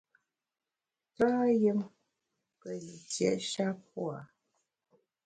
Tâyùmpelitiét shap pua’.